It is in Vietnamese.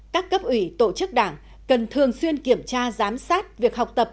các cấp ủy tổ chức đảng cần thường xuyên kiểm tra giám sát việc học tập